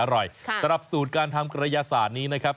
สำหรับสูตรการทำกระยาศาสตร์นี้นะครับ